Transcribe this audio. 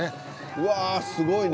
うわすごいね。